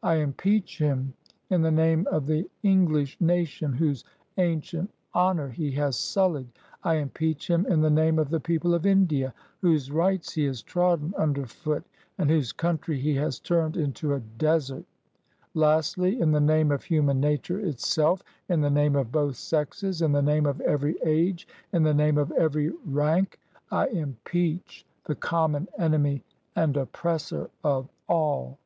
I impeach him in the name of the English nation, whose ancient honor he has sullied, I impeach him in the name of the people of India, whose rights he has trodden under foot, and whose country he has turned into a desert. Lastly, in the name of human nature itself, in the name of both sexes, in the name of every age, in the name of every rank, I impeach the common enemy and oppressor of all."